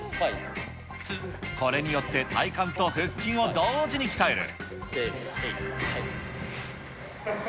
これによって、体幹と腹筋を同時に鍛える。